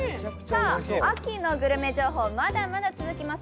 秋のグルメ情報、まだまだ続きます。